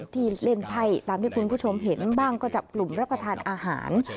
ที่เล่นไพ่ตามที่คุณผู้ชมเห็นบ้างก็จับกลุ่มรับประทานอาหาร